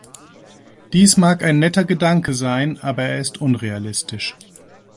Dies mag ein netter Gedanke sein, aber er ist unrealistisch.